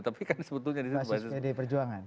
tapi kan sebetulnya dinasi pdi perjuangan